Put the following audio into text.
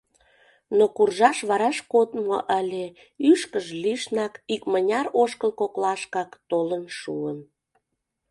Но куржаш вараш кодмо ыле: ӱшкыж лишнак, икмыняр ошкыл коклашкак толын шуын.